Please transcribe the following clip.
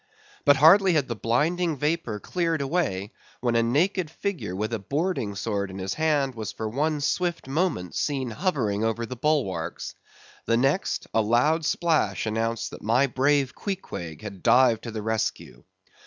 But hardly had the blinding vapor cleared away, when a naked figure with a boarding sword in his hand, was for one swift moment seen hovering over the bulwarks. The next, a loud splash announced that my brave Queequeg had dived to the rescue.